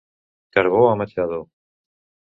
Carbó a Machado.